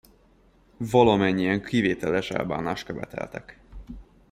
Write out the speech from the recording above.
Valamennyien kivételes elbánást követeltek.